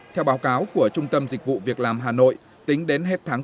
theo báo cáo của trung tâm dịch vụ việc làm hà nội tính đến hết tháng tám